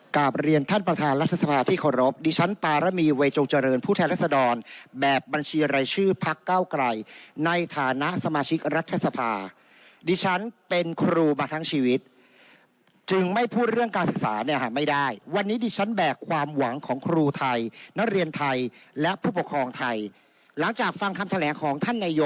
กลับเรียนท่านประธานรัฐสภาที่เคารพดิฉันปารมีเวจงเจริญผู้แทนรัศดรแบบบัญชีรายชื่อพักเก้าไกลในฐานะสมาชิกรัฐสภาดิฉันเป็นครูมาทั้งชีวิตจึงไม่พูดเรื่องการศึกษาเนี่ยค่ะไม่ได้วันนี้ดิฉันแบกความหวังของครูไทยนักเรียนไทยและผู้ปกครองไทยหลังจากฟังคำแถลงของท่านนโย